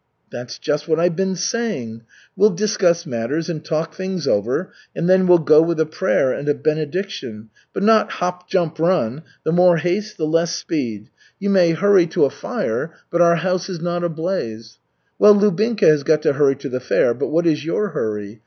"That's just what I've been saying. We'll discuss matters and talk things over and then we'll go with a prayer and a benediction, but not hop! jump! run! The more haste the less speed. You may hurry to a fire, but our house is not ablaze. Well, Lubinka has got to hurry to the fair, but what is your hurry?